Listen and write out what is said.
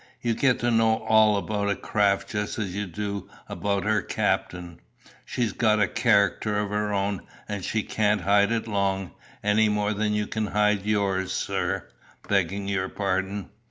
You gets to know all about a craft just as you do about her captain. She's got a character of her own, and she can't hide it long, any more than you can hide yours, sir, begging your pardon."